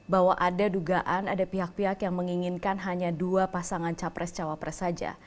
bahwa ada dugaan ada pihak pihak yang menginginkan hanya dua pasangan capres cawapres saja